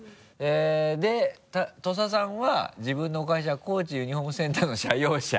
で土佐さんは自分の会社「高知ユニフォームセンター」の社用車。